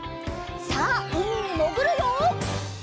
さあうみにもぐるよ！